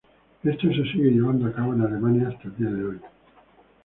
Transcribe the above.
Esto se sigue llevando a cabo en Alemania hasta el día de hoy.